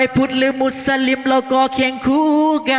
วู้วู้วู้วู้